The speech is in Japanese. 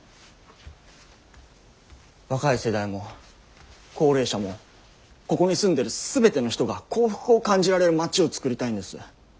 若い世代も高齢者もここに住んでる全ての人が幸福を感じられる街を作りたいんです。